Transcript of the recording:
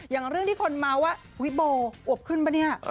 อย่างเรื่องที่คนม้าว่าโอ๊ยบ้าอบขึ้นปะเนี่ย